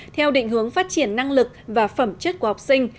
theo định hướng phát triển năng lực và phẩm chất của học sinh